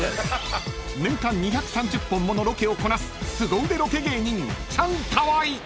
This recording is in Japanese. ［年間２３０本ものロケをこなすすご腕ロケ芸人］